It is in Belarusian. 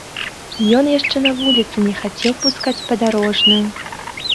Ён яшчэ на вуліцы не хацеў пускаць падарожную.